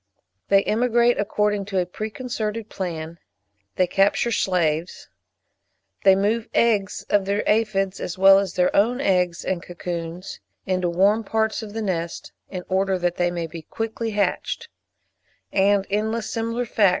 They emigrate according to a preconcerted plan. They capture slaves. They move the eggs of their aphides, as well as their own eggs and cocoons, into warm parts of the nest, in order that they may be quickly hatched; and endless similar facts could be given.